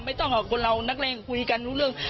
ไม่ต้องกับคนเรานักเลงคุยกันรู้เรื่อง